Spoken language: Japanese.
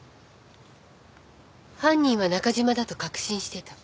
犯人は中嶋だと確信してた。